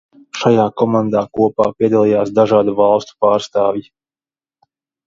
Šajā komandā kopā piedalījās dažādu valstu pārstāvji.